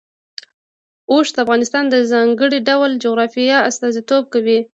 اوښ د افغانستان د ځانګړي ډول جغرافیه استازیتوب کوي.